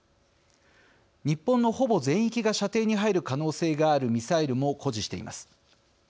日本のほぼ全域が射程に入る可能性があるミサイルも誇示しています。